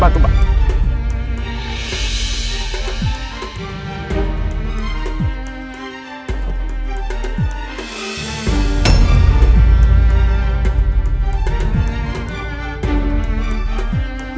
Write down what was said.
tidak ada apa apa